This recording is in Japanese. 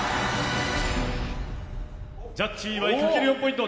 ジャッジ岩井かける４ポイント